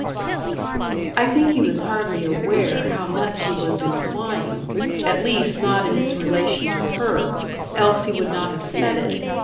I think he was hardly aware how much he was implying, at least not in its relation to her, else he would not have said it.